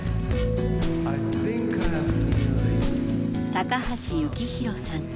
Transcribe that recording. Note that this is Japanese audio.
高橋幸宏さん。